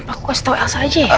aku kasih tau elsa aja ya